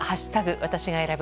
私が選ぶ」